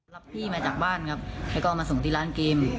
รับพี่มาจากบ้านครับแล้วก็มาส่งที่ร้านเกม